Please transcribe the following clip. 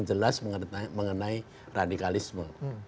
jelas mengenai radikalisme